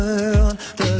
pengen coba lagi